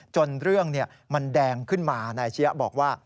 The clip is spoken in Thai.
จนเรื่องมันแดงขึ้นมานายชะยะบอกว่า